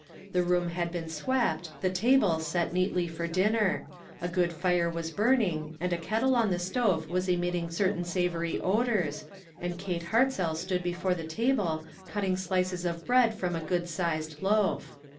The room had been swept, the table set neatly for dinner ; a good fire was burning and a kettle on the stove was emitting cer tain savory odors, and Kate Hartzell stood before the table cutting slices of bread from a good sized loaf.